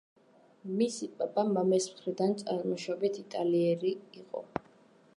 მისი პაპა მამის მხრიდან წარმოშობით იტალიელი იყო.